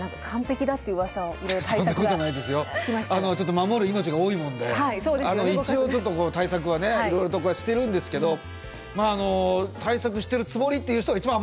守る命が多いもんで一応ちょっとこう対策はねいろいろとしてるんですけどまああの対策してるつもりっていう人が一番危ないんですよ。